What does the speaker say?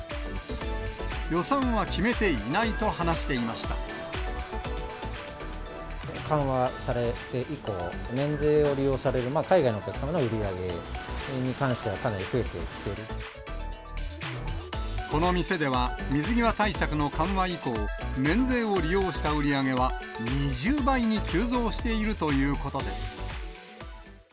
予算は決めていないと話して緩和されて以降、免税を利用される海外のお客様の売り上げに関しては、かなり増えこの店では、水際対策の緩和以降、免税を利用した売り上げは２０倍に急増しているということです。